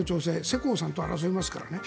世耕さんと争いますからね。